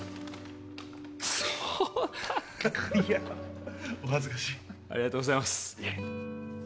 壮太君いやあお恥ずかしいありがとうございますいえ